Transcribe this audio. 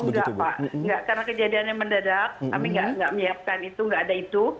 oh enggak pak karena kejadiannya mendadak kami enggak menyiapkan itu enggak ada itu